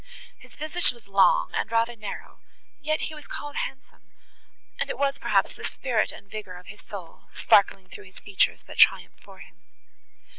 His visage was long, and rather narrow, yet he was called handsome; and it was, perhaps, the spirit and vigour of his soul, sparkling through his features, that triumphed for him.